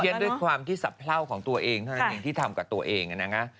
แต่มันเพียนด้วยความที่สะพร่าวของตัวเองนะที่ทำกับตัวเองนะ